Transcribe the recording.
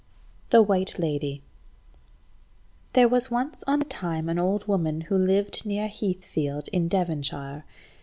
THE WHITE LADY There was once on a time an old woman who lived near Heathfield, in Devonshire.